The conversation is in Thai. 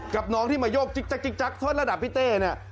กับน้องที่มาโยกจิ๊กจักจิ๊กจักท่วนระดับพี่เต้นี่